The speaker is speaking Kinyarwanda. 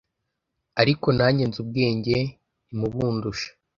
Ariko nanjye nzi ubwenge ntimubundusha